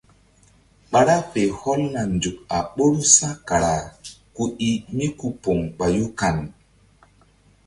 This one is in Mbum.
Ɓa ra fe hɔlna nzuk a ɓoru sa̧kara ku i míku poŋ ɓayu kan.